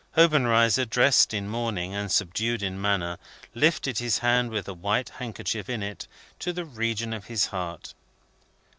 Obenreizer dressed in mourning, and subdued in manner lifted his hand, with a white handkerchief in it, to the region of his heart.